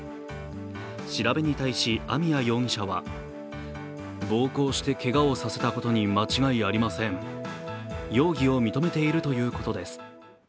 調べに対し、網谷容疑者は容疑を認めているということです。